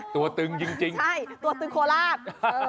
ตัวตึงจริงนะใช่ตัวตึงโคลาสเออ